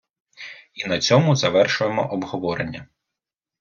і на цьому завершуємо обговорення.